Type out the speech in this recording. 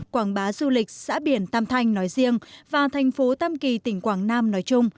quảng bá du lịch xã biển tam thanh nói riêng và thành phố tam kỳ tỉnh quảng nam nói chung